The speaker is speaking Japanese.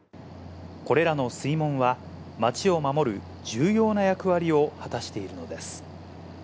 これらの水門は、街を守る重要な役割を果たしているのです。